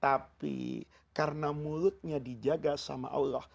tapi karena mulutnya dijaga sama allah